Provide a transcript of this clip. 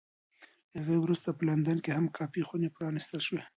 له هغې وروسته په لندن کې هم کافي خونې پرانېستل شوې.